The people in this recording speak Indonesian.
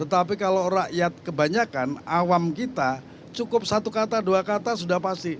tetapi kalau rakyat kebanyakan awam kita cukup satu kata dua kata sudah pasti